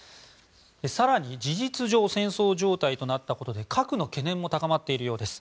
更に事実上戦争状態となったことで核の懸念も高まっているようです。